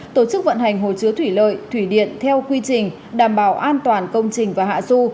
tổ chức vận hành hồ chứa thủy lợi thủy điện theo quy trình đảm bảo an toàn công trình và hạ du